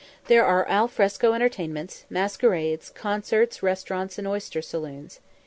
There are al fresco entertainments, masquerades, concerts, restaurants, and oyster saloons.